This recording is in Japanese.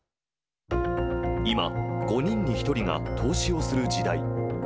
今、５人に１人が投資をする時代。